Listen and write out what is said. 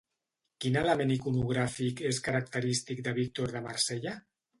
Quin element iconogràfic és característic de Víctor de Marsella?